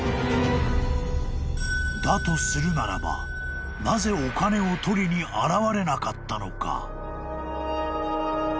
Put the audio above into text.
とするならばなぜお金を取りに現れなかったのか？］